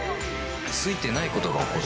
ついてないことが起こる